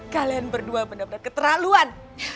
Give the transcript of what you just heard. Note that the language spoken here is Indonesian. kalian berdua benar benar keterlaluan